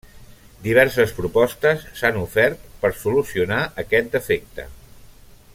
Diverses propostes s'han ofert per solucionar aquest defecte.